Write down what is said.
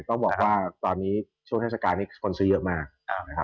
ต้องบอกว่าตอนนี้ช่วงเทศกาลนี้คนซื้อเยอะมากนะครับ